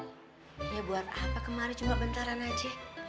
ya buat apa kemarin cuma bentaran aja